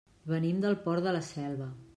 Venim del Port de la Selva.